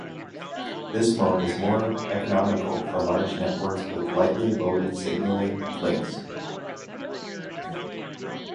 This mode is more economical for large networks with lightly loaded signaling links.